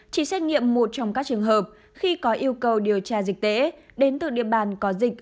chỉ xét nghiệm một trong các trường hợp khi có yêu cầu điều tra dịch tễ đến từ địa bàn có dịch